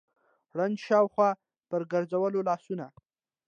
ړانده شاوخوا پر ګرځول لاسونه